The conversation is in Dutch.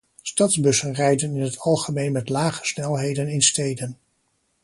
Stadsbussen rijden in het algemeen met lage snelheden in steden.